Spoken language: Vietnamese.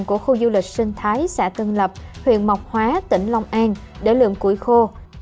của khu du lịch sinh thái xã tân lập huyện mộc hóa tỉnh lòng an để lượm củi khô